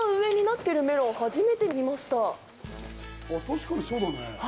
確かにそうだね。